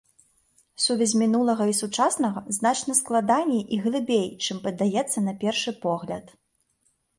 Сувязь мінулага і сучаснага значна складаней і глыбей, чым падаецца на першы погляд.